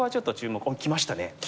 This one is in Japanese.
あっきましたね。